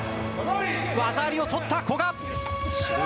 技ありを取った、古賀。